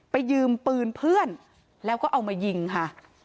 ยืมปืนเพื่อนแล้วก็เอามายิงค่ะ